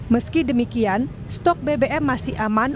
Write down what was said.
meski demikian stok bbm masih aman